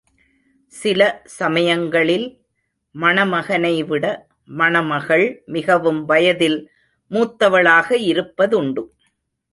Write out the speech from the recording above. சில சமயங்களில் மணமகனைவிட மணமகள் மிகவும் வயதில் மூத்தவளாக இருப்பதுண்டு.